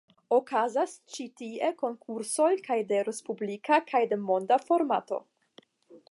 Okazas ĉi tie konkursoj kaj de respublika kaj de monda formato.